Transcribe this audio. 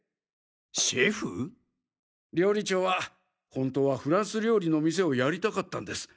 シェフ？料理長は本当はフランス料理の店をやりたかったんです。